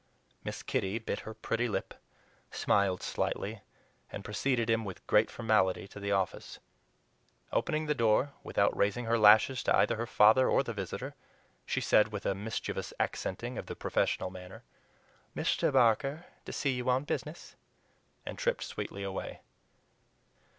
Miss Kitty bit her pretty lip, smiled slightly, and preceded him with great formality to the office. Opening the door, without raising her lashes to either her father or the visitor, she said, with a mischievous accenting of the professional manner, "Mr. Barker to see you on business," and tripped sweetly away.